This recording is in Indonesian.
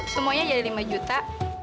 semuanya jadi lima juta